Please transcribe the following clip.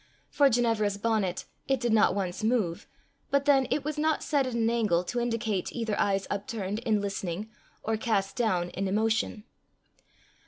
For Ginevra's bonnet, it did not once move but then it was not set at an angle to indicate either eyes upturned in listening, or cast down in emotion.